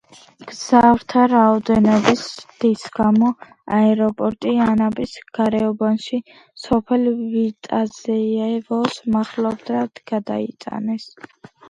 მგზავრთა რაოდენობის ზრდის გამო აეროპორტი ანაპის გარეუბანში, სოფელ ვიტიაზევოს მახლობლად გადაიტანეს.